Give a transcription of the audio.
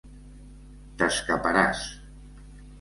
T'escaparàs.